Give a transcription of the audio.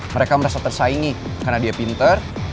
mereka merasa tersaingi karena dia pinter